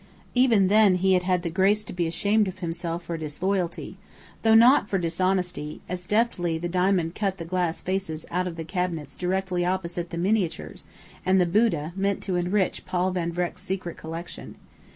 Even then he had the grace to be ashamed of himself for disloyalty, though not for dishonesty, as deftly the diamond cut the glass faces of the cabinets directly opposite the miniatures and the Buddha meant to enrich Paul Van Vreck's secret collection.